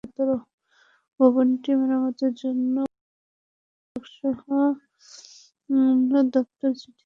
ভবনটি মেরামতের জন্য গণপূর্ত বিভাগসহ বিভিন্ন দপ্তরে চিঠি দিয়েও কোনো কাজ হয়নি।